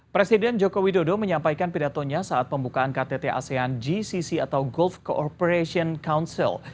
presiden joko widodo menyampaikan pidatonya saat pembukaan ktt asean gcc atau golf corporation council